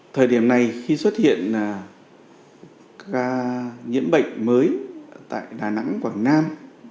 thời điểm này khi xuất hiện các nhiễm bệnh mới tại đà nẵng quảng nam